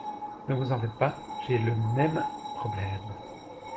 Ne vous en faites pas. J’ai le même problème.